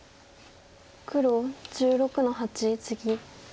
黒１６の八ツギ。